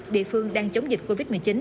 địa phương đang chống dịch covid một mươi chín